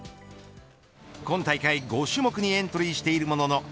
今大会５種目にエントリーしているものの